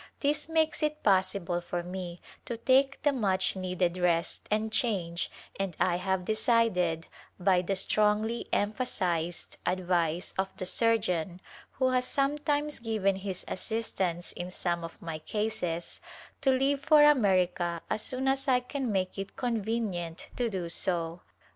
This makes it possible for me to take the much needed rest and change and I have decided, by the strongly emphasized advice of the surgeon who has sometimes given his assistance in some of my cases, to leave for America as soon as I can make it convenient to do so.